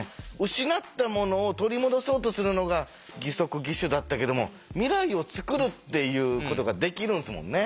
失ったものを取り戻そうとするのが義足義手だったけども未来を作るっていうことができるんですもんね。